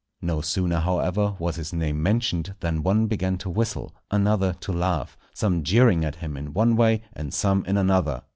No sooner, however, was his name mentioned than one began to whistle, another to laugh, some jeering at him in one way and some in another.